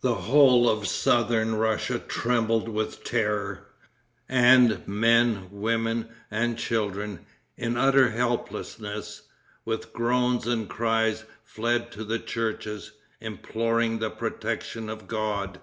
The whole of southern Russia trembled with terror; and men, women and children, in utter helplessness, with groans and cries fled to the churches, imploring the protection of God.